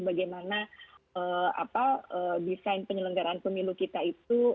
bagaimana desain penyelenggaraan pemilu kita itu